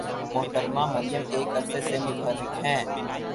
محترمہ مریم ایک عرصہ سے متحرک ہیں۔